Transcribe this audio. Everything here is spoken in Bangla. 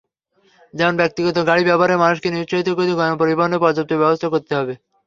যেমন ব্যক্তিগত গাড়ি ব্যবহারে মানুষকে নিরুৎসাহিত করে গণপরিবহনের পর্যাপ্ত ব্যবস্থা করতে হবে।